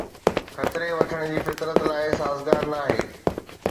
خطري وٺڻ جي فطرت لاءِ سازگار ناهي